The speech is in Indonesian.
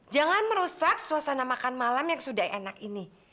jangan merusak suasana makan malam yang sudah enak ini